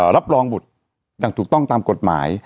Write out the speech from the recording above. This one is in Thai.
รับรองบุตรอย่างถูกต้องตามกฎหมาย